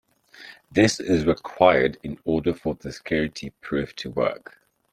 This is required in order for the security proof to work.